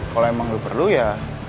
kalau emang lu perlu ya